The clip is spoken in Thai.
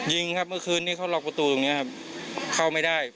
ยิงค่ะเมื่อคืนเขาหลอกประตูตรงนี้เข้าไม่ได้